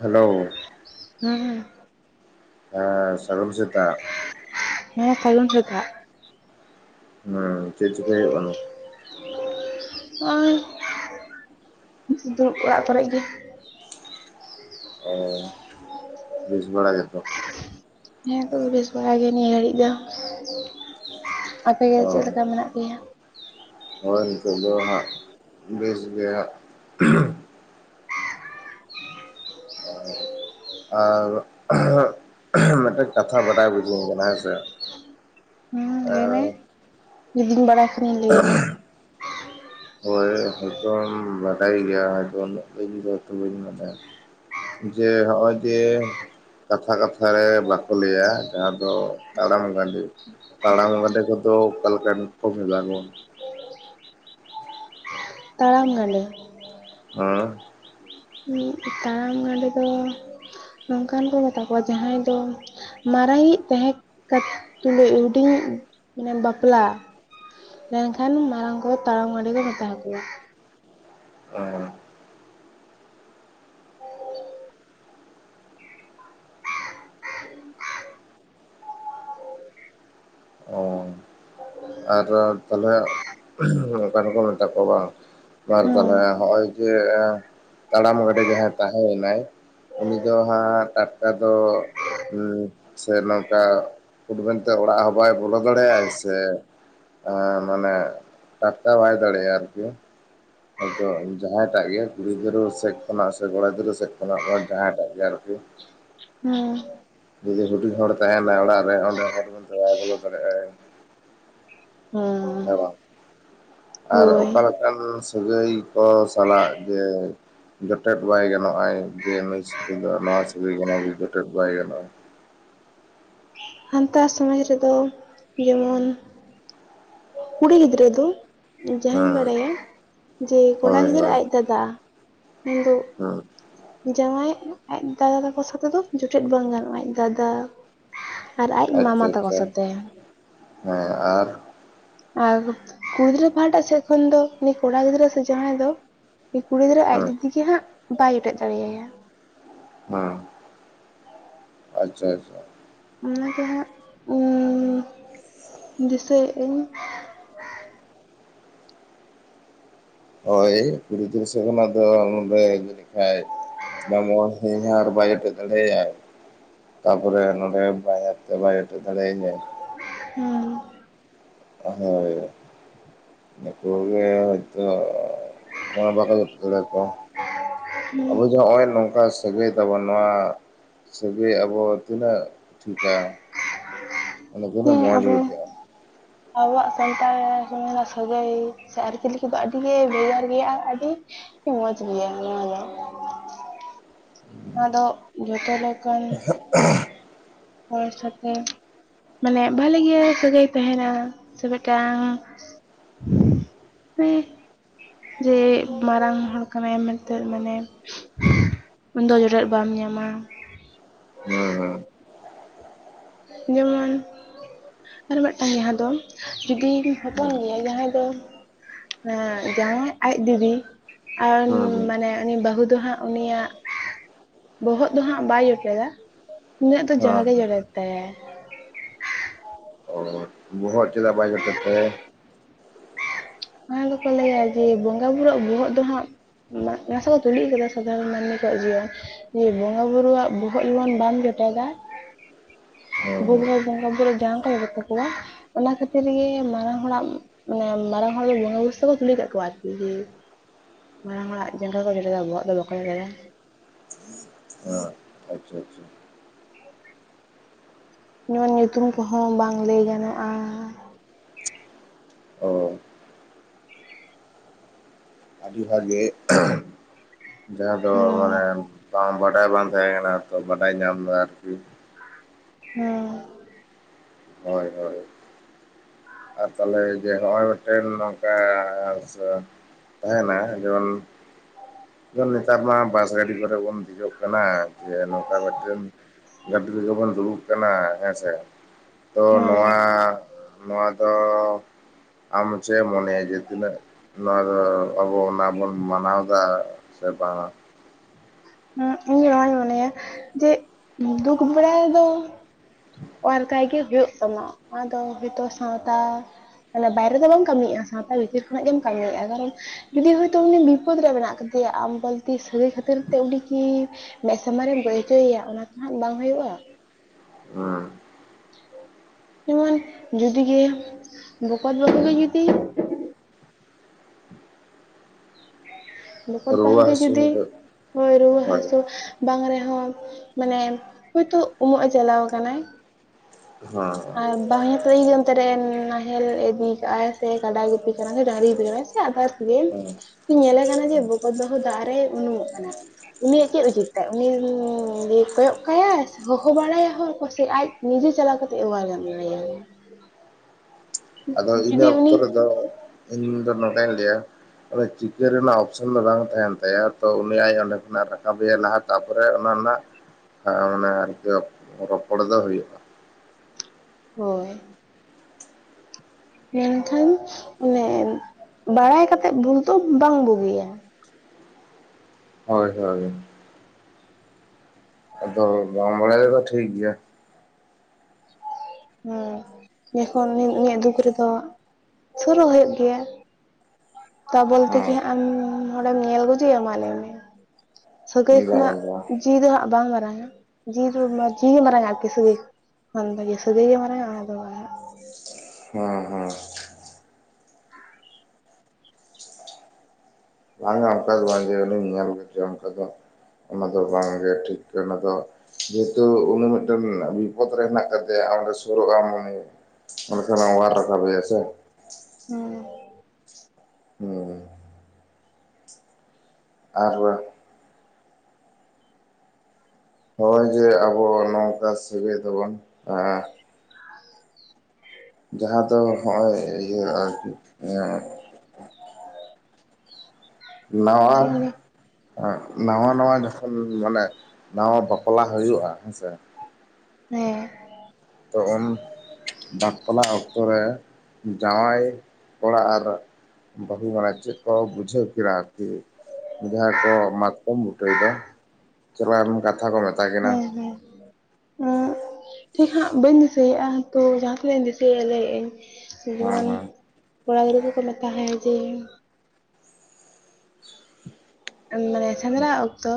Hello ᱦᱮᱸ ᱦᱮᱸ ᱥᱟᱹᱜᱩᱱ ᱥᱚᱛᱟᱜ ᱦᱮ ᱥᱟᱹᱜᱩᱱ ᱥᱮᱛᱟᱜ ᱦᱮᱸ ᱪᱮᱫ ᱪᱤᱠᱟᱹᱭ ᱦᱩᱭᱩᱜ ᱠᱟᱱᱟ? ᱱᱚᱜᱼᱚᱭ ᱫᱩᱲᱩᱵ ᱚᱲᱟᱜ ᱠᱚᱨᱮ ᱜᱮ, ᱚ ᱫᱩᱲᱩᱵ ᱵᱟᱲᱟ ᱜᱮᱛᱚ ᱦᱮᱸ ᱱᱤᱛᱚᱜ ᱫᱚ ᱵᱮᱥ ᱵᱟᱲᱟ ᱜᱮ ᱱᱤᱭᱟᱹ ᱜᱷᱟᱹᱲᱤᱡ ᱫᱚ, ᱟᱯᱮᱜᱮ ᱪᱮᱫ ᱞᱮᱠᱟ ᱢᱮᱱᱟᱜ ᱯᱮᱭᱟ? ᱦᱚᱭ ᱱᱤᱛᱚᱜ ᱫᱚ ᱦᱟᱸᱜ ᱵᱮᱥ ᱜᱮ ᱦᱟᱸᱜ, ᱟᱨ ᱢᱤᱫᱴᱮᱡ ᱠᱟᱛᱷᱟ ᱵᱟᱰᱟᱭ ᱵᱩᱡᱟᱹ ᱤᱧ ᱠᱟᱱᱟ ᱦᱮᱸ ᱥᱮ ᱦᱩᱸ ᱞᱟᱹᱭ ᱢᱮ, ᱡᱤᱫᱤᱧ ᱵᱟᱲᱟᱭ ᱠᱷᱟᱱᱤᱧ ᱞᱟᱹᱭ ᱟᱢᱟ, ᱦᱳᱭ ᱦᱚᱭᱛᱚᱢ ᱵᱟᱰᱟᱭ ᱜᱮᱭᱟᱹ ᱦᱚᱭᱛᱚ ᱤᱧ ᱫᱚ ᱩᱱᱟᱹᱜ ᱵᱟᱹᱧ ᱵᱟᱰᱟᱭᱟ᱾ ᱡᱮ ᱦᱚᱸᱼᱚᱭ ᱡᱮ ᱠᱟᱛᱷᱟ ᱠᱟᱛᱷᱟ ᱨᱮ ᱵᱟᱠᱚ ᱞᱟᱹᱭᱟ ᱡᱟᱦᱟᱸ ᱫᱚ ᱛᱟᱲᱟᱢ ᱜᱟᱸᱰᱮᱼᱼ ᱛᱟᱲᱟᱢ ᱜᱟᱸᱰᱮ ᱠᱚᱫᱚ ᱚᱠᱟ ᱞᱮᱠᱟᱱ ᱠᱚ ᱢᱮᱛᱟ ᱠᱚᱣᱟ? ᱛᱟᱲᱟᱢ ᱜᱟᱸᱰᱮ ᱦᱮᱸ ᱛᱟᱲᱟᱢ ᱜᱟᱸᱰᱮ ᱫᱚ ᱱᱚᱝᱠᱟᱱ ᱠᱚ ᱢᱮᱛᱟ ᱠᱚᱣᱟ ᱡᱟᱦᱟᱸᱭ ᱫᱚ ᱢᱟᱨᱟᱝᱤᱡ ᱛᱟᱦᱮᱸ ᱠᱟᱛᱮ ᱛᱩᱞᱩᱡ ᱦᱩᱰᱤᱧ ᱢᱟᱱᱮ ᱵᱟᱯᱞᱟ ᱞᱮᱱᱠᱷᱟᱱ ᱢᱟᱨᱟᱝ ᱠᱚᱛᱚ ᱛᱟᱲᱟᱢ ᱜᱟᱸᱰᱮ ᱠᱚ ᱢᱮᱛᱟ ᱦᱟᱠᱚᱣᱟ᱾ ᱚ [unintelligible] ᱚ ᱟᱨ ᱛᱟᱦᱞᱮ ᱝᱠᱟᱱᱠᱚ ᱢᱮᱛᱟ ᱠᱚ ᱵᱟᱝ ᱟᱨ ᱦᱮᱸ ᱛᱟᱦᱚᱞᱮ ᱦᱚᱜᱚᱭ ᱡᱮ ᱛᱟᱲᱟᱢ ᱜᱟᱸᱰᱮ ᱡᱟᱦᱟᱸᱭ ᱛᱟᱦᱮᱸᱭᱮᱱᱟᱭ ᱩᱱᱤ ᱫᱚ ᱦᱟᱸᱜ ᱴᱟ- ᱠᱟ ᱫᱚ ᱥᱮ ᱱᱚᱝᱠᱟ ᱦᱩᱰ ᱢᱮᱱ ᱛᱮ ᱚᱲᱟᱜ ᱦᱚᱸ ᱵᱟᱭ ᱵᱚᱞᱚ ᱫᱟᱲᱮᱭᱟᱜᱟᱭ ᱥᱮ ᱢᱟᱱᱮ ᱴᱟᱴᱴᱟ ᱵᱟᱭ ᱫᱟᱲᱮᱭᱟᱜᱼᱟ ᱟᱨᱠᱤ ᱦᱚᱭᱛᱚ ᱡᱟᱦᱟᱸᱭᱴᱟᱜ ᱜᱮ ᱠᱩᱲᱤ ᱜᱤᱫᱽᱨᱟᱹ ᱥᱮᱫ ᱠᱷᱚᱱᱟᱜ ᱥᱮ ᱠᱚᱲᱟ ᱜᱤᱫᱽᱨᱟᱹ ᱥᱮᱫ ᱠᱷᱚᱱᱟᱜ ᱡᱟᱦᱟᱸᱭᱴᱟᱜ ᱜᱮ ᱟᱨᱠᱤ ᱦᱮᱸ ᱡᱩᱫᱤ ᱦᱩᱰᱤᱧ ᱦᱚᱲ ᱛᱟᱦᱮᱱᱟᱭ ᱚᱲᱟᱜ ᱨᱮ ᱚᱸᱰᱮ ᱦᱚᱴ ᱢᱮᱱᱛᱮ ᱵᱟᱭ ᱵᱚᱞᱚ ᱫᱟᱲᱮᱭᱟᱜᱼ ᱟᱭ᱾ ᱦᱩᱸ᱾ ᱟᱨ ᱚᱠᱟ ᱞᱮᱠᱟᱱ ᱥᱟᱹᱜᱟᱹᱭ ᱠᱚ ᱥᱟᱞᱟᱜ ᱡᱮ ᱡᱚᱴᱮᱫ ᱵᱟᱭ ᱜᱟᱱᱚᱜᱼᱟ ᱡᱮ ᱱᱩᱭ ᱥᱚᱛᱮ ᱫᱚ ᱱᱚᱣᱟ ᱥᱟᱜᱟᱹᱭ ᱠᱟᱱᱟ ᱡᱮ ᱡᱚᱴᱮᱫ ᱵᱟᱭ ᱜᱟᱱᱚᱜᱼᱟ᱾ ᱥᱟᱱᱛᱟᱲ ᱥᱚᱢᱟᱡᱽ ᱨᱮᱫᱚ ᱡᱮᱢᱚᱱ ᱠᱩᱲᱤ ᱜᱤᱫᱽᱨᱟᱹ ᱫᱚ ᱡᱟᱦᱟᱧ ᱦᱮᱸ ᱵᱟᱲᱟᱭᱟ ᱡᱮ ᱠᱚᱲᱟ ᱦᱳᱭ ᱜᱤᱫᱽᱨᱟᱹ ᱟᱡ ᱫᱟᱫᱟ, ᱢᱮᱱ ᱫᱚ ᱦᱩᱸ᱾ ᱡᱟᱶᱟᱭ ᱟᱡ ᱫᱟᱫᱟ ᱛᱟᱠᱚ ᱥᱟᱛᱮ ᱫᱚ ᱡᱚᱴᱮᱫ ᱵᱟᱝ ᱜᱟᱱᱚᱜᱼᱟ, ᱟᱡ ᱫᱟᱫᱟ᱾ ᱟᱨ ᱟᱡ ᱟᱪᱪᱷᱟ ᱢᱟᱢᱟ ᱛᱟᱠᱚ ᱟᱪᱪᱷᱟ, ᱥᱟᱛᱮ ᱦᱮᱸ ᱟᱨ ᱟᱨ ᱠᱩᱲᱤ ᱜᱤᱫᱽᱨᱟᱹ ᱯᱟᱦᱟᱴᱟ ᱥᱮᱫ ᱠᱷᱚᱱ ᱫᱚ ᱩᱱᱤ ᱠᱚᱲᱟ ᱜᱤᱫᱽᱨᱟᱹ ᱥᱮ ᱡᱟᱦᱟᱸᱭ ᱫᱚ ᱠᱩᱲᱤ ᱜᱤᱫᱽᱨᱟᱹ ᱟᱡ ᱦᱮᱸ ᱫᱤᱫᱤ ᱜᱮ ᱦᱟᱸᱜ ᱵᱟᱭ ᱡᱚᱴᱮᱫ ᱫᱟᱲᱮᱭᱟᱭᱟ᱾ ᱦᱮᱸ, ᱟᱪᱪᱷᱟ ᱟᱪᱪᱷᱟ᱾ ᱚᱱᱟ ᱜᱮ ᱦᱟᱸᱜ ᱩᱸ ᱫᱤᱥᱟᱹᱭᱮᱜ ᱟᱹᱧ᱾ ᱦᱳᱭ, ᱠᱩᱲᱤ ᱜᱤᱫᱽᱨᱟᱹ ᱥᱮ ᱠᱷᱚᱱᱟᱜ ᱫᱚ ᱱᱚᱰᱮ ᱡᱟᱱᱤᱜ ᱠᱷᱟᱭ ᱵᱟᱝᱢᱟ ᱦᱚᱧᱦᱟᱨ ᱵᱟᱭ ᱡᱚᱴᱮᱛ ᱫᱟᱲᱮᱭᱟᱭ᱾ ᱛᱟᱯᱚᱨᱮ ᱱᱚᱰᱮ ᱵᱟᱦᱚᱧᱦᱟᱨᱛᱮ ᱵᱟᱭ ᱡᱚᱴᱮᱛ ᱫᱟᱲᱮ ᱤᱧᱟᱭ᱾ ᱦᱩᱸ᱾ ᱦᱳᱭ᱾ ᱱᱩᱠᱩ ᱜᱮ ᱦᱚᱭᱛᱚ ᱱᱚᱣᱟ ᱵᱟᱠᱚ ᱡᱚᱴᱮᱛ [unintelligible] ᱛᱮ ᱟᱵᱚ ᱡᱮ ᱦᱚᱜᱼᱚᱭ ᱱᱚᱝᱠᱟ ᱥᱟᱹᱜᱟᱹᱭ ᱛᱟᱵᱚᱱ ᱱᱚᱣᱟ ᱥᱟᱹᱜᱟᱹᱭ ᱟᱵᱚ ᱛᱤᱱᱟᱹᱜ ᱴᱷᱤᱠᱟ? ᱢᱟᱱᱮ [unintelligible] ᱦᱮᱸ ᱢᱚᱡᱽ ᱟᱵᱚ ᱵᱩᱡᱷᱟᱜᱼᱟ᱾ ᱟᱵᱚᱣᱟᱜ ᱥᱟᱱᱛᱟᱲ ᱥᱚᱢᱟᱡᱽ ᱨᱮᱱᱟᱜ ᱥᱟᱹᱜᱟᱹᱭ ᱥᱮ ᱟᱹᱨᱤᱼᱪᱟᱹᱞᱤ ᱠᱚᱫᱚ ᱟᱹᱰᱤ ᱜᱮ ᱵᱷᱮᱜᱟᱨ ᱜᱮᱭᱟ ᱟ-ᱟᱹᱰᱤ᱾ ᱢᱚᱪ ᱜᱮᱭᱟ ᱱᱚᱣᱟ ᱫᱚ᱾ ᱱᱚᱣᱟ ᱫᱚ ᱡᱷᱚᱛᱚ ᱞᱮᱠᱟᱱ ᱦᱚᱲ ᱥᱚ ᱛᱮ᱾ ᱢᱟᱱᱮ ᱵᱷᱟᱞᱮ ᱜᱮ ᱥᱟᱹᱜᱟᱹᱭ ᱛᱟᱦᱮᱱᱟ, ᱥᱮ ᱢᱤᱫᱴᱟᱝ [inaudible] ᱮᱸ᱾ ᱡᱮ ᱢᱟᱨᱟᱝ ᱦᱚᱲ ᱠᱟᱱᱟᱭ ᱢᱮᱱᱛᱮ ᱢᱟᱱᱮ [inaudible] ᱩᱱᱤᱫᱚ ᱡᱚᱴᱮᱫ ᱵᱟᱢ ᱧᱟᱢᱟ᱾ [unintelligible] ᱡᱮᱢᱚᱱ ᱟᱨ ᱢᱤᱫᱴᱟᱝ ᱡᱟᱦᱟᱸ ᱫᱚ ᱡᱩᱫᱤᱢ ᱦᱚᱯᱚᱱ ᱦᱩᱸ ᱜᱮᱭᱟ ᱡᱟᱦᱟᱸᱭ ᱫᱚ ᱢᱮ ᱡᱟᱸᱣᱟᱭ ᱟᱡ ᱫᱤᱫᱤ᱾ ᱦᱩᱸ ᱟᱱ ᱦᱩᱸ ᱦᱩᱸ ᱢᱟᱱᱮ ᱩᱱᱤ ᱵᱟᱹᱦᱩ ᱫᱚ ᱦᱟᱸᱜ ᱩᱱᱤᱭᱟᱜ ᱵᱚᱦᱚᱜ ᱫᱚ ᱦᱟᱸᱜ ᱵᱟᱭ ᱡᱚᱴᱮᱫᱟ ᱩᱱᱤᱭᱟᱹᱜ ᱫᱚ ᱦᱮᱸ ᱡᱟᱸᱜᱟ ᱜᱮ ᱦᱮᱸ ᱡᱚᱴᱮᱫ ᱛᱟᱭᱟᱭ᱾ [unintelligible] ᱵᱚᱦᱚᱜ ᱪᱮᱫᱟᱜ ᱵᱟᱭ ᱡᱚᱴᱮᱫ ᱛᱟᱭᱟᱭ? [inaudible] ᱚᱱᱟ ᱫᱚᱠᱚ ᱞᱟᱹᱭᱟ ᱡᱮ ᱵᱚᱸᱜᱟᱼᱵᱩᱨᱩ ᱟᱜ ᱵᱚᱦᱚᱜ ᱫᱚ ᱦᱟᱸᱜ ᱱᱟ-ᱱᱟᱥᱮᱼᱟ ᱛᱩᱞᱩᱡ ᱠᱟᱫᱟ ᱥᱟᱫᱷᱟᱨᱚᱱ ᱢᱟᱹᱱᱢᱤ ᱠᱚᱣᱟᱜ ᱡᱤᱭᱚᱱ᱾ ᱡᱮ ᱵᱚᱸᱜᱟᱼᱵᱩᱨᱩᱣᱟᱜ ᱵᱚᱦᱚᱜ ᱡᱮᱢᱚᱱ ᱵᱟᱢ ᱡᱚᱴᱮᱫᱟ᱾ ᱦᱩᱸ ᱦᱩᱸ [unintelligible] ᱚᱱᱟ ᱠᱷᱟᱹᱛᱤᱨ ᱜᱮ ᱢᱟᱨᱟᱝ ᱦᱚᱲᱟᱜ ᱢᱟᱱᱮ ᱢᱟᱨᱟᱝ ᱚᱱᱟ ᱫᱚ ᱵᱚᱸᱜᱟᱼᱵᱩᱨᱩ ᱥᱮ ᱠᱚ ᱠᱩᱞᱤ ᱠᱟᱜ ᱠᱚᱣᱟ ᱟᱨᱠᱤ ᱡᱮ ᱢᱟᱨᱟᱝ ᱦᱚᱲᱟᱜ ᱡᱟᱸᱜᱟ ᱠᱚ ᱡᱚᱴᱮᱫᱟ ᱵᱚᱦᱚᱜ ᱫᱚ ᱵᱟᱠᱚ ᱡᱚᱴᱮᱫᱟ᱾ ᱦᱟᱸ ᱟᱪᱪᱷᱟ ᱟᱪᱪᱷᱟ᱾ ᱱᱚᱣᱟ ᱧᱩᱛᱩᱢ ᱠᱚᱦᱚᱸ ᱵᱟᱝ ᱞᱟᱹᱭ ᱜᱟᱱᱚᱜᱼᱟ᱾ ᱚ ᱟᱹᱰᱤ ᱵᱷᱟᱜᱮ᱾ ᱡᱟᱦᱟᱸ ᱫᱚ ᱦᱮᱸ ᱢᱟᱱᱮ ᱵᱟᱝ ᱵᱟᱰᱟᱭ ᱵᱟᱝ ᱛᱟᱦᱮᱸ ᱠᱟᱱᱟ ᱛᱚ ᱵᱟᱰᱟᱭ ᱧᱟᱢ ᱱᱟ ᱟᱨᱠᱤ᱾ ᱦᱩᱸ᱾ ᱦᱳᱭ ᱦᱳᱭ ᱟᱨ ᱛᱟᱦᱚᱞᱮ ᱡᱮ ᱱᱚᱜᱼᱚᱭ ᱢᱤᱫᱴᱮᱱ ᱱᱚᱝᱠᱟ ᱛᱟᱦᱮᱱᱟ ᱡᱮᱢᱚᱱ [unintelligible] ᱱᱮᱛᱟᱨ ᱢᱟ ᱵᱟᱥ ᱜᱟᱹᱰᱤ ᱠᱚᱨᱮ ᱵᱚᱱ ᱫᱮᱡᱚᱜ ᱠᱟᱱᱟ ᱡᱮ ᱱᱚᱝᱠᱟ ᱢᱤᱫᱴᱮᱱ ᱜᱟᱹᱰᱤ ᱨᱮᱜᱮ ᱵᱚᱱ ᱫᱩᱲᱩᱵ ᱠᱟᱱᱟ ᱦᱮᱸᱥᱮ ᱛᱚ ᱦᱮᱸ ᱦᱮᱸ ᱱᱚᱣᱟ, ᱱᱚᱣᱟ ᱫᱚ ᱟᱢ ᱪᱮᱫ ᱮᱢ ᱢᱚᱱᱮᱭᱟ ᱛᱤᱱᱟᱹᱜ ᱱᱚᱣᱟ ᱫᱚ ᱟᱵᱚ ᱚᱱᱟ ᱵᱚᱱ ᱢᱟᱱᱟᱣ ᱫᱟ ᱥᱮ ᱵᱟᱝ, ᱦᱩᱸ, ᱤᱧ ᱱᱚᱣᱟᱧ ᱢᱚᱱᱮᱭᱟ ᱡᱮ ᱫᱩᱠ ᱵᱮᱲᱟ ᱨᱮᱫᱚ ᱚᱣᱟᱨ ᱠᱟᱭ ᱜᱮ ᱦᱩᱭᱩᱜ ᱛᱟᱢᱟ ᱟᱫᱚ ᱡᱷᱚᱛᱟ ᱥᱟᱶᱛᱟ ᱢᱟᱱᱮ ᱵᱟᱦᱨᱮ ᱫᱚ ᱵᱟᱢ ᱠᱟᱹᱢᱤᱭᱮᱫᱼᱟ ᱥᱟᱶᱛᱟ ᱵᱷᱤᱛᱤᱨ ᱠᱷᱚᱱᱟᱜ ᱜᱮᱢ ᱠᱟᱹᱢᱤᱭᱮᱫᱼᱟ ᱛᱟᱦᱚᱞᱮ ᱡᱩᱫᱤ ᱦᱚᱭᱛᱚ ᱩᱱᱤ ᱵᱤᱯᱚᱫ ᱨᱮ ᱢᱮᱱᱟᱜ ᱠᱟᱫᱮᱭᱟ ᱟᱢ ᱵᱟᱹᱞᱛᱤ ᱥᱟᱹᱜᱟᱹᱭ ᱠᱷᱟᱹᱛᱤᱨ ᱛᱮ ᱩᱱᱤ ᱠᱤ ᱢᱮᱫ ᱥᱟᱢᱟᱝ ᱨᱮᱢ ᱜᱚᱡ ᱦᱚᱪᱚ ᱮᱭᱟ ᱚᱱᱟ ᱫᱚ ᱦᱟᱸᱜ ᱵᱟᱝ ᱦᱩᱭᱩᱜᱼᱟ ᱾ ᱦᱩᱸ ᱡᱮᱢᱚᱱ ᱡᱩᱫᱤ ᱜᱮ ᱵᱚᱠᱚᱛ ᱵᱟᱹᱦᱩ ᱜᱮ ᱡᱩᱫᱤ ᱵᱚᱠᱚᱛ ᱵᱟᱹᱦᱩ ᱨᱩᱣᱟᱹ ᱜᱮ ᱡᱩᱫᱤ ᱦᱟᱹᱥᱩ ᱱᱚᱜᱼᱚᱭ ᱨᱩᱣᱟᱹ ᱦᱳᱭ ᱦᱟᱹᱥᱩ ᱵᱟᱝ ᱨᱮᱦᱚᱸ ᱢᱟᱱᱮ ᱦᱚᱭᱛᱚ ᱩᱢᱚᱜ ᱮ ᱪᱟᱞᱟᱣ ᱠᱟᱱᱟᱭ ᱦᱚᱸ ᱟᱨ ᱵᱟᱦᱚᱧᱟᱨ ᱛᱮᱫ ᱡᱩᱫᱤ ᱚᱱᱛᱮ ᱨᱮ ᱱᱟᱦᱮᱞ ᱤᱫᱤ ᱠᱟᱜᱼᱟᱭ ᱥᱮ, ᱠᱟᱰᱟᱭ ᱜᱩᱯᱤ ᱠᱟᱱᱟ ᱥᱮ, ᱰᱟᱝᱨᱤ ᱜᱤᱫᱤ ᱠᱟᱱᱟᱭ ᱟᱫᱟᱨᱥ ᱜᱮ ᱦᱮᱸ ᱧᱮᱞᱮ ᱠᱟᱱᱟ ᱡᱮ ᱦᱮᱸ ᱵᱚᱠᱚᱛ ᱵᱟᱹᱦᱩ ᱫᱟᱜ ᱨᱮᱭ ᱩᱱᱩᱢ-ᱚᱜ ᱠᱟᱱᱟ, ᱩᱱᱤᱭᱟᱜ ᱪᱮᱫ ᱩᱪᱤᱛ ᱛᱟᱭ, ᱩᱱᱤ ᱠᱚᱭᱚᱜ ᱠᱟᱭ-ᱟᱭ, ᱥᱮ ᱦᱚᱦᱚ ᱵᱟᱲᱟᱭᱟ ᱦᱚᱲ ᱠᱚ ᱥᱮ ᱟᱡ ᱱᱤᱡᱮ ᱪᱟᱞᱟ ᱠᱟᱛᱮ ᱚᱣᱟᱨ ᱟᱜᱩᱭᱮᱭᱟ? ᱟᱫᱚ ᱤᱱᱟᱹ ᱡᱩᱫᱤ ᱚᱠᱛᱚ ᱩᱱᱤ ᱨᱮᱫᱚ ᱤᱧᱫᱚ ᱱᱚᱝᱠᱟᱧ ᱞᱟᱹᱭᱟ ᱚᱸᱰᱮ ᱪᱤᱠᱟᱹ ᱨᱮᱱᱟᱜ ᱚᱯᱥᱮᱱ ᱫᱚ ᱵᱟᱝ ᱛᱟᱦᱮᱱ ᱛᱟᱭᱟ ᱛᱚ ᱩᱱᱤ ᱟᱡ ᱚᱸᱰᱮ ᱠᱷᱚᱱᱟᱜ ᱮ ᱨᱟᱠᱟᱵᱮᱭᱟ ᱞᱟᱦᱟᱛᱮ ᱛᱟᱯᱚᱨᱮ ᱚᱱᱟ ᱨᱮᱱᱟᱜ ᱢᱟᱱᱮ ᱨᱚᱯᱚᱲ ᱫᱚ ᱦᱩᱭᱩᱜᱼᱟ, ᱦᱳᱭ ᱢᱮᱱᱠᱷᱟᱱ, ᱚᱱᱮ ᱵᱟᱲᱟᱭ ᱠᱟᱛᱮᱜ ᱵᱷᱩᱞ ᱫᱚ ᱵᱟᱝ ᱵᱳᱜᱮᱭᱟ᱾ ᱦᱳᱭ ᱦᱳᱭ ᱟᱫᱚ ᱵᱟᱢ ᱵᱟᱲᱟᱭ ᱨᱮᱫᱚ ᱴᱷᱤᱠ ᱜᱮᱭᱟ ᱾ ᱦᱩᱸ ᱡᱠᱷᱚᱱ [unintelligible] ᱫᱩᱠ ᱨᱮᱫᱚ ᱥᱩᱨᱩ ᱦᱩᱭᱩᱜ ᱜᱮᱹᱭᱟ᱾ ᱛᱟ ᱵᱳᱞᱛᱮ ᱠᱤ ᱦᱮᱸ ᱦᱟᱸᱜ ᱟᱢ ᱦᱚᱲᱮᱢ ᱧᱮᱞ ᱜᱚᱡᱮᱹᱭᱟ ᱢᱟ ᱞᱟᱹᱭᱢᱮ? ᱥᱟᱹᱜᱟᱹᱭ ᱵᱟᱝ ᱠᱷᱚᱱᱟᱜ ᱵᱟᱝ ᱡᱤᱣᱤ ᱫᱚ ᱦᱟᱸᱜ ᱵᱟᱝ ᱢᱟᱨᱟᱝᱼᱟ, ᱡᱤᱣᱤ ᱫᱚ ᱡᱤᱣᱤ ᱢᱟᱨᱟᱝᱼᱟ ᱟᱨᱠᱤ ᱥᱟᱹᱜᱟᱹᱭ ᱠᱷᱚᱱ ᱚᱱ ᱛᱮ ᱜᱮ ᱥᱟᱹᱜᱟᱹᱭ ᱜᱮ ᱢᱟᱨᱟᱝᱼᱟ᱾ ᱚᱱᱟ ᱫᱚ ᱵᱟᱝ? ᱦᱚᱸ ᱦᱚᱸ᱾ ᱛᱟ ᱯᱚᱨᱮ ᱵᱷᱟᱹᱜᱮ ᱦᱚᱲ ᱤᱧ ᱧᱮᱞ ᱠᱮᱜ ᱠᱚᱣᱟ, ᱛᱚᱯᱚᱱ ᱚᱱᱟ ᱫᱚ ᱵᱟᱝ ᱜᱮ ᱴᱷᱤᱠᱟ ᱡᱮᱦᱮᱛᱩ ᱩᱱᱤ ᱢᱤᱫᱴᱮᱱ ᱵᱤᱯᱚᱫ ᱨᱮ ᱦᱮ ᱠᱟᱫᱮᱭᱟ, ᱟᱢ ᱚᱸᱰᱮ ᱥᱳᱨᱳᱜ ᱟᱢ ᱩᱱᱤ ᱚᱠᱟ ᱠᱷᱚᱱ ᱮᱢ ᱚᱣᱟᱨ ᱨᱟᱠᱟᱯ ᱮᱭᱟ ᱥᱮ᱾ ᱦᱩᱸ ᱦᱩᱸ ᱟᱨ ᱵᱟᱝ ᱦᱚᱜᱼᱚᱭ ᱡᱮ ᱟᱵᱚ ᱱᱚᱝᱠᱟ ᱥᱤᱵᱟᱹᱭ ᱛᱮ ᱵᱚᱱ ᱛᱟᱦᱟᱸ ᱡᱟᱸᱦᱟᱸ ᱫᱚ ᱦᱚᱜᱼᱚᱭ ᱤᱭᱟᱹ ᱟᱨᱠᱤ ᱤᱭᱟᱹ ᱱᱟᱣᱟ ᱪᱮᱫ ᱤᱧ ᱚᱜ ᱱᱟᱣᱟ ᱱᱟᱣᱟ ᱡᱚᱠᱷᱚᱱ ᱢᱟᱱᱮ ᱱᱟᱣᱟ ᱵᱟᱯᱞᱟ ᱦᱩᱭᱩᱜᱼᱟ ᱦᱮᱸᱥᱮ ᱦᱮᱸ ᱛᱚ ᱚᱱ ᱵᱟᱯᱞᱟ ᱠᱛᱚ ᱨᱮ ᱡᱟᱶᱟᱭ ᱠᱚᱲᱟ ᱟᱨ ᱵᱟᱦᱩ ᱵᱟᱲᱟ ᱪᱮᱫ ᱠᱚ ᱵᱩᱡᱷᱟᱹᱜ ᱠᱟᱱᱟ ᱟᱨᱠᱤ ᱡᱟᱦᱟᱸᱭ ᱠᱚ ᱢᱟᱛᱠᱚᱢ ᱵᱩᱴᱟᱹᱭ ᱫᱚ ᱪᱮᱫᱨᱮᱠᱟᱢ ᱠᱟᱛᱷᱟ ᱠᱚ ᱢᱮᱛᱟ ᱦᱮᱸ ᱠᱤᱱᱟ ᱦᱮᱸ ᱦᱮᱸ ᱩᱸ ᱴᱷᱤᱠ ᱦᱟᱸᱜ ᱵᱟᱹᱧ ᱫᱤᱥᱟᱹᱭᱮᱜᱼᱟ ᱛᱳ ᱡᱟᱦᱟᱸ ᱛᱤᱱᱟᱹᱜ ᱤᱧ ᱫᱤᱥᱟᱹᱭᱮᱜ-ᱟ ᱞᱟᱹᱭᱮᱜ ᱟᱹᱧ ᱡᱮᱢᱚᱱ ᱦᱮᱸ ᱠᱚᱲᱟ ᱜᱤᱫᱽᱟᱹ ᱦᱚᱸᱠᱚ ᱞᱟᱛᱟ ᱦᱟᱭᱟ ᱡᱮ ᱢᱟᱱᱮ ᱥᱮᱸᱫᱽᱨᱟ ᱚᱠᱛᱚ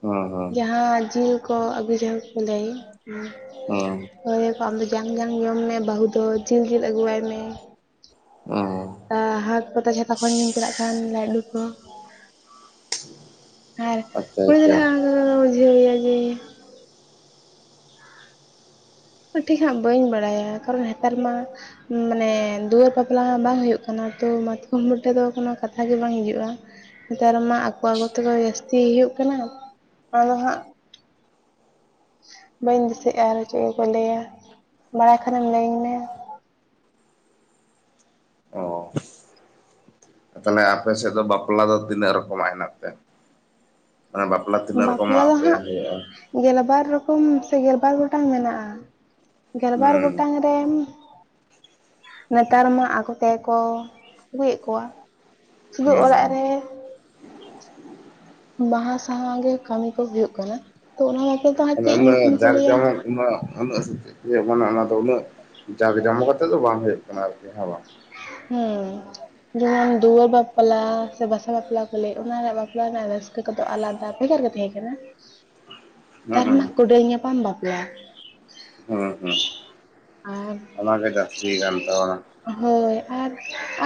ᱦᱮᱸ ᱦᱮᱸ ᱡᱟᱦᱟᱸ ᱡᱤᱞ ᱠᱚ ᱟᱹᱜᱩ [unintelligible] ᱦᱩᱸ ᱠᱟᱹᱭ ᱟᱠᱚ ᱟᱢᱫᱚ ᱡᱟᱝ ᱡᱟᱝ ᱡᱚᱢ ᱢᱮ ᱵᱟᱹᱦᱩ ᱫᱚ ᱡᱤᱞ ᱡᱤᱞ ᱟᱹᱜᱩ ᱣᱟᱭ ᱢᱮ ᱦᱮᱸ ᱦᱮᱸ ᱦᱟᱛ ᱯᱟᱛᱟ ᱪᱷᱟᱛᱟ ᱠᱷᱚᱧ ᱧᱩᱢ ᱪᱟᱞᱟᱜ ᱠᱷᱟᱱ ᱞᱟᱰᱩ ᱠᱚ ᱟᱨ ᱟᱪᱪᱷᱟ ᱠᱩᱲᱤ ᱜᱨᱟᱹ ᱟᱪᱪᱷᱟ ᱦᱟᱸᱜ ᱚᱝᱠᱟ ᱜᱮᱠᱚ ᱵᱤᱡᱷᱟᱹᱣᱭᱟ ᱡᱮ ᱴᱷᱤᱠ ᱦᱟᱸᱜ ᱵᱟᱹᱧ ᱵᱟᱲᱟᱭᱟ ᱠᱟᱨᱚᱱ ᱦᱮᱛᱟᱨ ᱢᱟ ᱢᱟᱱᱮ ᱫᱩᱣᱟᱹᱨ ᱵᱟᱯᱞᱟ ᱢᱟ ᱵᱟᱝ ᱦᱩᱭᱩᱜ ᱠᱟᱱᱟ ᱛᱚ ᱢᱟᱛᱠᱚᱢ ᱵᱴᱟᱹ ᱫᱚ ᱠᱳᱱᱳ ᱠᱟᱛᱷᱟ ᱜᱮ ᱵᱟᱝ ᱦᱤᱡᱩᱜᱼᱟ ᱱᱮᱛᱟᱨ ᱢᱟ ᱟᱠᱚ ᱟᱹᱜᱩ ᱛᱮᱠᱚ ᱡᱟᱹᱥᱛᱤ ᱦᱩᱭᱩᱜ ᱠᱟᱱᱟ ᱟᱫᱚ ᱦᱟᱸᱜ ᱵᱟᱹᱧ ᱫᱤᱥᱟᱹ ᱭᱮᱜᱼᱟ ᱟᱨ ᱪᱮᱜ ᱠᱚᱠᱚ ᱞᱟᱹᱭᱟ ᱵᱟᱲᱟᱭ ᱠᱷᱟᱱᱮᱢ ᱞᱟᱹᱭᱟᱹᱧ ᱢᱮ ᱛᱟᱞᱦᱮ ᱟᱯᱮ ᱥᱮᱫ ᱫᱚ ᱵᱟᱯᱞᱟ ᱫᱚ ᱛᱤᱱᱟᱹᱜ ᱨᱚᱠᱚᱢᱟᱜ ᱦᱮᱱᱟᱜ ᱛᱮ? ᱵᱟᱯᱞᱟ ᱢᱮ ᱛᱤᱱᱟᱹᱜ ᱵᱟᱯᱞᱟ ᱨᱚᱠᱚᱢᱟᱜ ᱫᱚ ᱯᱮ ᱦᱟᱸᱜ ᱦᱩᱭᱩᱜᱼᱟ? ᱜᱮᱞᱵᱟᱨ ᱨᱚᱠᱚᱢ ᱥᱮ ᱜᱮᱞᱵᱟᱨ ᱜᱚᱴᱟᱝ ᱢᱮᱱᱟᱜᱼᱟ ᱜᱮᱞᱵᱟᱨ ᱦᱩᱸ ᱜᱚᱴᱟᱝ ᱨᱮᱢ ᱱᱮᱛᱟᱨ ᱢᱟ ᱟᱠᱚ ᱠᱚᱜᱮ ᱟᱹᱜᱩᱭᱮᱫ ᱠᱚᱣᱟ ᱥᱩᱫᱩ ᱦᱩᱸ ᱚᱲᱟᱜ ᱨᱮ ᱵᱟᱸᱦᱟᱸ ᱥᱟᱦᱟᱣ ᱜᱮ ᱠᱟᱹᱢᱤ ᱠᱚ ᱦᱩᱭᱩᱜ ᱠᱟᱱᱟ ᱛᱚ ᱚᱱᱟ ᱵᱟᱯᱮ ᱫᱚ ᱦᱟᱸ ᱪᱮᱫ ᱧᱩᱛᱩᱢ ᱠᱚ ᱞᱟᱹᱭᱟ ᱚᱱᱟ [unintelligible] ᱢᱟᱱᱮ ᱚᱱᱟ ᱫᱚ ᱩᱱᱟᱹᱜ ᱡᱟᱠ ᱡᱚᱢᱚᱠ ᱟᱛᱮᱫ ᱫᱚ ᱵᱟᱝ ᱦᱩᱭᱩᱜ ᱠᱟᱱᱟ ᱟᱨᱠᱤ ᱦᱮᱸ ᱵᱟᱝ ᱦᱩᱸᱻ ᱡᱮᱢᱚᱱ ᱫᱩᱣᱟᱹᱨ ᱵᱟᱯᱞᱟ, ᱥᱮ ᱵᱟᱥᱟ ᱵᱟᱯᱞᱟ ᱠᱚ ᱞᱟᱹᱭ ᱚᱱᱟᱨᱮ ᱵᱟᱯᱞᱟ ᱨᱮᱱᱟᱜ ᱨᱟᱹᱥ ᱠᱟᱹ ᱠᱚᱫᱚ ᱟᱞᱟᱫᱟ ᱵᱷᱮᱜᱟᱨ ᱜᱮ ᱛᱟᱦᱮᱸ ᱠᱟᱱᱟ, ᱦᱩᱸ ᱱᱮᱛᱟᱨ ᱦᱩᱸ ᱢᱟ ᱠᱚᱱᱰᱮᱞ ᱧᱟᱯᱟᱢ ᱵᱟᱯᱞᱟ ᱾ ᱦᱮᱸ ᱦᱮᱸ ᱟᱨ ᱚᱱᱟ ᱜᱮ ᱡᱟᱹᱥᱛᱤ ᱠᱟᱱ ᱛᱟᱵᱚᱱᱟ ᱾ ᱦᱳᱭ ᱟᱨ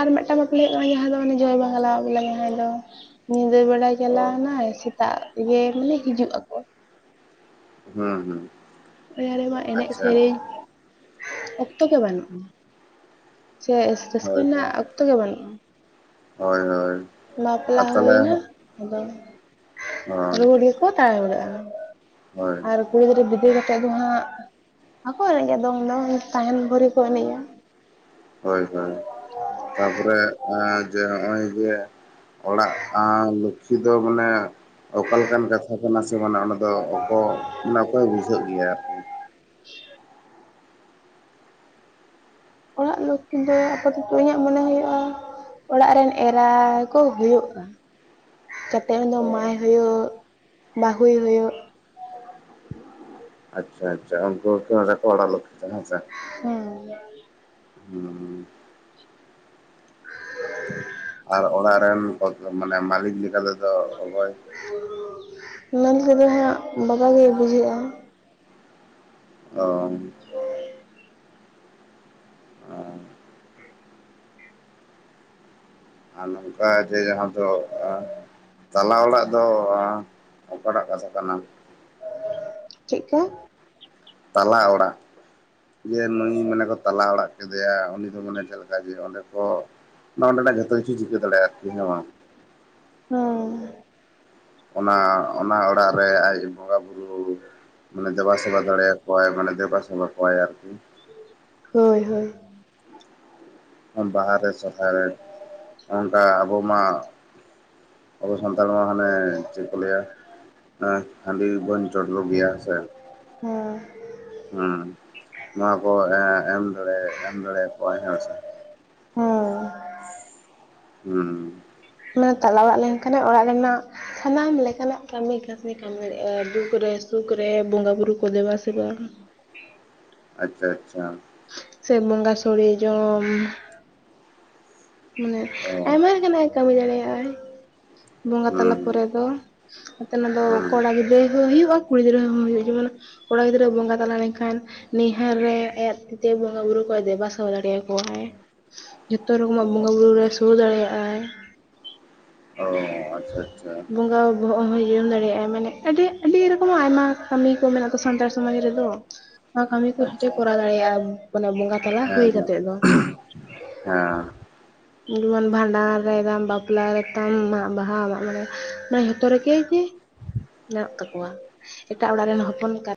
ᱟᱨ ᱢᱤᱫᱴᱟᱝ ᱵᱟᱯᱞᱟ ᱦᱩᱭᱩᱜ ᱠᱟᱱᱟ ᱡᱟᱦᱟᱸ ᱫᱚ [unintelligible] ᱡᱟᱦᱟᱸᱭ ᱫᱚ ᱧᱤᱫᱟᱹ ᱵᱮᱲᱟᱭ ᱪᱟᱞᱟᱣ ᱚ ᱱᱟᱭ ᱥᱮᱛᱟᱜ ᱜᱮ ᱢᱟᱱᱮ ᱦᱤᱡᱩᱜ ᱟᱠᱚ ᱾ ᱦᱮᱸ ᱦᱮᱸ ᱾ ᱚᱱᱟ ᱨᱮᱢᱟ ᱮᱱᱮᱡ ᱥᱮᱨᱮᱧ ᱚᱠᱛᱚ ᱜᱮ ᱵᱟᱹᱱᱩᱜᱼᱟ, ᱥᱮ [unintelligible] ᱨᱟᱹᱥᱠᱟᱹ ᱦᱳᱭ ᱨᱮᱱᱟᱜ ᱦᱳᱭ ᱚᱠᱛᱚ ᱜᱮ ᱵᱟᱹᱱᱩᱜᱼᱟ, ᱦᱳᱭ ᱦᱳᱭ ᱵᱟᱯᱞᱟ ᱟᱨ ᱛᱟᱦᱚᱞᱮ ᱦᱩᱭ ᱱᱟ ᱟᱫᱚ ᱦᱳᱭ ᱨᱩᱣᱟᱹᱲ ᱜᱮᱠᱚ ᱫᱟᱲᱟ ᱵᱟᱲᱟᱜᱼᱟ ᱦᱳᱭ ᱟᱨᱼᱼ ᱠᱩᱲᱤ ᱜᱤᱫᱽᱨᱟᱹ ᱵᱤᱫᱟᱭ ᱠᱟᱛᱮᱫ ᱫᱚ ᱦᱟᱸᱜ ᱵᱟᱠᱚ ᱮᱱᱮᱡᱼᱟ ᱫᱚᱝ ᱫᱚ ᱛᱟᱦᱮᱱ ᱵᱷᱳᱨᱤ ᱠᱚ ᱮᱱᱮᱡᱼᱟ ᱾ ᱦᱳᱭ ᱦᱳᱭ ᱛᱟᱯᱚᱨᱮ ᱡᱮ ᱱᱚᱜᱼᱚᱭ ᱡᱮ ᱚᱲᱟᱜ ᱟᱸᱻ ᱞᱚᱠᱷᱤ ᱫᱚ ᱢᱟᱱᱮ ᱚᱠᱟ ᱞᱮᱠᱟᱱ ᱠᱟᱛᱷᱟ ᱠᱟᱱᱟ ᱥᱮ ᱢᱟᱱᱮ ᱚᱱᱮ ᱫᱚ ᱚᱠᱚ [unintelligible] ᱚᱠᱚᱭ ᱵᱩᱡᱷᱟᱹᱜ ᱜᱮᱭᱟ ᱟᱨᱠᱤ ᱾ [unintelligible] ᱚᱲᱟᱜ ᱞᱚᱠᱷᱤ ᱫᱚ ᱟᱯᱟᱛ ᱛᱚᱛᱚ ᱤᱧᱟᱹᱜ ᱢᱚᱱᱮ ᱦᱩᱭᱩᱜᱼᱟ ᱚᱲᱟᱜ ᱨᱮᱱ ᱮᱨᱟ ᱠᱚ ᱦᱩᱭᱩᱜᱼᱟ, ᱠᱟᱛᱮ ᱩᱱᱤ ᱫᱚ ᱚ ᱢᱟᱭ ᱦᱩᱭᱩᱜ, ᱵᱟᱹᱦᱩᱭ ᱦᱩᱭᱩᱜ ᱾ ᱟᱪᱪᱷᱟ ᱟᱪᱪᱷᱟ ᱩᱱᱠᱩ ᱜᱮ ᱠᱚ ᱢᱮᱛᱟ ᱠᱚᱣᱟ ᱚᱲᱟᱜ ᱞᱚᱠᱷᱤ ᱫᱚᱱᱟᱜ ᱦᱮᱸᱥᱮ ᱾ ᱦᱩᱸ ᱦᱩᱸ᱾ ᱟᱨ ᱚᱲᱟᱜ ᱨᱮᱱ ᱢᱟᱱᱮ ᱢᱟᱹᱞᱤᱠ ᱞᱮᱠᱟ ᱛᱮᱫᱚ ᱚᱠᱚᱭ? ᱚᱱᱟ ᱛᱮᱫᱚ ᱦᱟᱸᱜ ᱵᱟᱵᱟ ᱜᱮᱭ ᱵᱩᱡᱷᱟᱹᱜᱼᱟ᱾ ᱚᱻ᱾ [inaudible] ᱟᱻ᱾ ᱟᱨ ᱱᱚᱝᱠᱟ ᱡᱮ ᱡᱟᱦᱟᱸ ᱫᱚ [unintelligible] ᱛᱟᱞᱟ ᱚᱲᱟᱜ ᱫᱚ ᱚᱠᱟ ᱴᱟᱜ ᱠᱟᱛᱷᱟ ᱠᱟᱱᱟ? ᱪᱮᱫ ᱠᱟ? ᱛᱟᱞᱟ ᱚᱲᱟᱜ᱾ ᱡᱮ ᱱᱩᱭ ᱢᱟᱱᱮ ᱠᱚ ᱛᱟᱞᱟ ᱚᱲᱟᱜ ᱠᱮᱫᱮᱭᱟ, ᱩᱱᱤ ᱫᱚ ᱢᱟᱱᱮ ᱪᱮᱫ ᱞᱮᱠᱟ ᱡᱮ ᱚᱸᱰᱮ ᱠᱚ ᱱᱚᱸᱰᱮᱱᱟᱜ ᱡᱚᱛᱚ ᱠᱤᱪᱷᱩᱭ ᱪᱤᱠᱟᱹ ᱫᱟᱲᱮᱭᱟᱜ-ᱟ [unintelligible] ᱦᱚᱭ᱾ ᱚᱱᱟ ᱚᱱᱟ ᱚᱲᱟᱜ ᱨᱮ ᱟᱡ ᱵᱚᱸᱜᱟ ᱵᱩᱨᱩ ᱢᱟᱱᱮ ᱫᱮᱵᱟ ᱥᱮᱵᱟ ᱫᱟᱲᱮᱭᱟ ᱠᱚᱣᱟᱭ ᱢᱟᱱᱮ ᱫᱮᱵᱟ ᱥᱮᱵᱟ ᱠᱚᱣᱟᱭ ᱟᱨᱠᱤ᱾ ᱦᱳᱭ ᱦᱳᱭ᱾ ᱵᱟᱦᱟ ᱨᱮ ᱥᱚᱨᱦᱟᱭ ᱨᱮ, ᱚᱱᱠᱟ ᱟᱵᱚ ᱢᱟ ᱟᱵᱚ ᱥᱟᱱᱛᱟᱲ ᱢᱟ ᱦᱟᱱᱮ ᱪᱮᱫ ᱠᱚ ᱞᱟᱹᱭᱟ, ᱮᱸ ᱦᱟᱺᱰᱤ ᱵᱚᱱ ᱪᱚᱰᱚᱨ ᱜᱮᱭᱟ ᱥᱮ, ᱦᱮᱸ᱾ ᱦᱩᱸ, ᱱᱚᱣᱟ ᱠᱚ ᱮᱢ ᱫᱟᱲᱮ ᱮᱢ ᱫᱟᱲᱮᱭᱟ ᱠᱚᱣᱟᱭ ᱦᱮᱸᱥᱮ, ᱦᱮᱸ᱾ ᱦᱩᱸ᱾ ᱚᱱᱟ ᱛᱟᱞᱟ ᱚᱲᱟᱜ ᱞᱮᱱᱠᱷᱟᱱᱮ ᱚᱲᱟᱜ ᱨᱮᱱᱟᱜ ᱥᱟᱱᱟᱢ ᱞᱮᱠᱟᱱᱟᱜ ᱠᱟᱹᱢᱤ ᱠᱟᱹᱥᱱᱤ ᱠᱟᱹᱢᱤ ᱦᱩᱭᱩᱜ-ᱟ, ᱫᱩᱠ ᱨᱮ ᱥᱩᱠ ᱨᱮ ᱵᱚᱸᱜᱟ ᱵᱩᱨᱩ ᱠᱚ ᱫᱮᱵᱟ ᱥᱮᱵᱟ᱾ ᱟᱪᱪᱷᱟ ᱟᱪᱪᱷᱟ᱾ ᱥᱮ ᱵᱚᱸᱜᱟ ᱥᱚᱲᱮ ᱡᱚᱢ᱾ ᱢᱟᱱᱮ ᱚ ᱟᱭᱢᱟ ᱞᱮᱠᱟᱱᱟᱜ ᱮ ᱠᱟᱹᱢᱤ ᱫᱟᱲᱮᱭᱟᱜᱼᱟᱭ᱾ ᱵᱚᱸᱜᱟ ᱛᱟᱞᱟ ᱦᱩᱸ ᱯᱚᱨᱮ ᱫᱚ [unintelligible] ᱫᱚ ᱦᱩᱸ ᱠᱚᱲᱟ ᱜᱤᱫᱽᱨᱟᱹ ᱦᱚᱸ ᱦᱩᱭᱩᱜᱼᱟ ᱠᱩᱲᱤ ᱜᱤᱫᱽᱨᱟᱹ ᱦᱚᱸ ᱦᱩᱭᱩᱜᱼᱟ, ᱡᱮᱢᱚᱱ ᱠᱚᱲᱟ ᱜᱤᱫᱽᱨᱟᱹ ᱵᱚᱸᱜᱟ ᱛᱟᱞᱟ ᱞᱮᱱᱠᱷᱟᱱ ᱱᱤᱦᱟᱹᱨ ᱨᱮ ᱟᱭᱟᱜ ᱛᱤᱛᱮ ᱵᱚᱸᱜᱟ ᱵᱩᱨᱩ ᱠᱚᱭ ᱫᱮᱵᱟ ᱥᱮᱵᱟ ᱫᱟᱲᱮᱭᱟ ᱠᱚᱣᱟᱭ᱾ ᱡᱚᱛᱚ ᱨᱚ ᱠᱚᱢᱟᱜ ᱵᱚᱸᱜᱟ ᱦᱩᱸ ᱵᱩᱨᱩ ᱨᱮ ᱥᱩᱨ ᱫᱟᱲᱮᱭᱟᱜᱼᱟᱭ᱾ ᱚ ᱟᱪᱪᱷᱟ ᱟᱪᱪᱷᱟ᱾ ᱵᱚᱸᱜᱟ ᱵᱚᱦᱚᱜ ᱦᱚᱸᱭ ᱡᱚᱢ ᱫᱟᱲᱮᱭᱟᱜᱼᱟ, ᱢᱟᱱᱮ ᱟᱹᱰᱤ ᱟᱹᱰᱤ ᱨᱚᱠᱚᱢᱟᱜ ᱟᱭᱢᱟ ᱠᱟᱢᱤ ᱠᱚ ᱢᱮᱱᱟᱜ-ᱟ ᱛᱚ ᱥᱟᱱᱛᱟᱲ ᱥᱚᱢᱟᱡᱽ ᱨᱮᱫᱚ᱾ ᱯᱷᱥ-ᱥ-ᱥ ᱾ ᱱᱚᱣᱟ ᱠᱟᱹᱢᱤ ᱠᱚ ᱡᱚᱛᱚᱭ ᱠᱚᱨᱟᱣ ᱫᱟᱲᱮᱭᱟᱜᱼᱟ ᱢᱟᱱᱮ ᱵᱚᱸᱜᱟ ᱛᱟᱞᱟ ᱦᱩᱭ ᱦᱮᱸ ᱦᱮᱸ ᱠᱟᱛᱮᱜ ᱫᱚ᱾ ᱦᱮᱸ᱾ ᱡᱮᱢᱚᱱ ᱵᱷᱟᱰᱟᱱ ᱨᱮ ᱛᱟᱢ, ᱵᱟᱯᱞᱟ ᱨᱮ ᱛᱟᱢ᱾ ᱢᱟᱜ, ᱵᱟᱦᱟ, ᱢᱟᱜ ᱢᱚᱬᱮ ᱚᱱᱟ ᱡᱚᱛᱚ ᱨᱮᱜᱮ ᱡᱮ ᱢᱮᱱᱟᱜ ᱠᱟᱜ ᱠᱚᱣᱟ ᱮᱴᱟᱜ ᱚᱲᱟᱜ ᱨᱮᱱ ᱦᱚᱯᱚᱱ ᱞᱮᱠᱟ